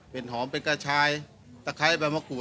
เป็นหอมเป็นกระชายตะไคร้ใบมะกรูด